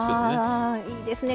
ああいいですね